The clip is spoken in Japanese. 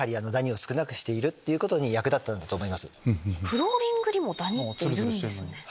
フローリングにもダニっているんですね。